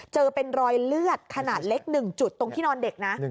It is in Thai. เจอเป็นรอยเลือดขนาดเล็ก๑จุดตรงที่นอนเด็กนะ